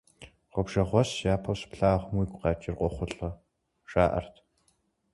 Гъуэбжэгъуэщ япэу щыплъагъум уигу къэкӀыр къохъулӀэ, жаӀэрт.